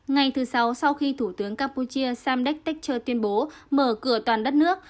ngày thứ sáu sau khi thủ tướng campuchia samdech techer tuyên bố mở cửa toàn đất nước